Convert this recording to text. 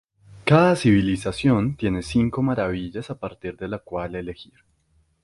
Cada civilización tiene cinco Maravillas a partir de la cual elegir.